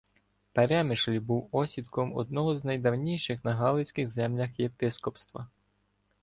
Перемишль був осідком одного з найдавніших на галицьких землях єпископства.